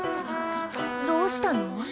どうしたの？